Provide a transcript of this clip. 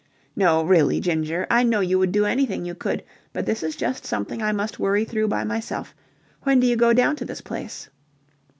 "No, really, Ginger, I know you would do anything you could, but this is just something I must worry through by myself. When do you go down to this place?"